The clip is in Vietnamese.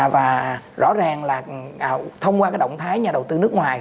và rõ ràng là thông qua cái động thái nhà đầu tư nước ngoài